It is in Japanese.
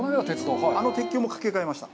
あの鉄橋も架け替えました。